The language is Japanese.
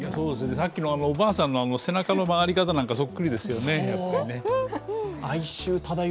さっきのおばあさんの背中の曲がり方なんかそっくりですよね、やっぱりね。